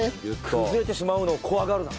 崩れてしまうのを怖がるな。